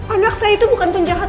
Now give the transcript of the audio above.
anak saya itu bukan penjahat